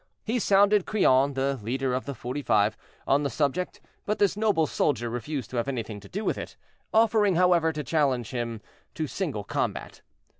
He sounded Crillon, the leader of the "Forty five," on the subject, but this noble soldier refused to have anything to do with it, offering, however, to challenge him to single combat.